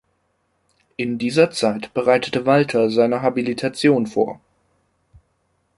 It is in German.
In dieser Zeit bereitete Walter seine Habilitation vor.